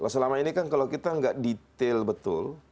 selama ini kan kalau kita nggak detail betul